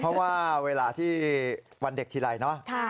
เพราะว่าเวลาที่วันเด็กทีไรเนาะ